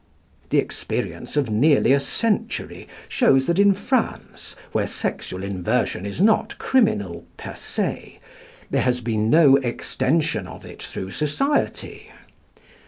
The experience of nearly a century shows that in France, where sexual inversion is not criminal per se, there has been no extension of it through society.